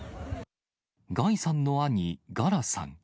ガイさんの兄、ガラさん。